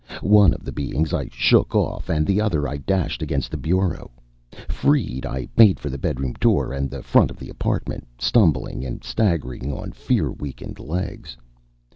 One of the beings I shook off and the other I dashed against the bureau. Freed, I made for the bedroom door and the front of the apartment, stumbling and staggering on fear weakened legs.